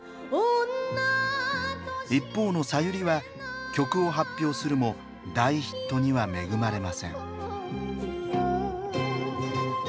一方のさゆりは曲を発表するも大ヒットには恵まれません。